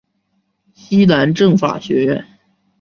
西南政法学院。